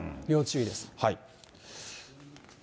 要注意です。